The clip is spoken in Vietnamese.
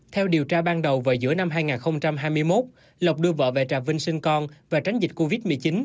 theo điều tra ban đầu vào giữa năm hai nghìn hai mươi một lộc đưa vợ về trà vinh sinh con và tránh dịch covid một mươi chín